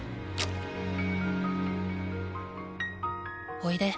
おいで。